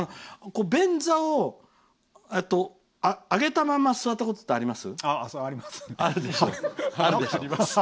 便座を上げたまま座ったことあります？